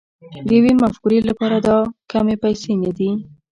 د يوې مفکورې لپاره دا کمې پيسې نه دي.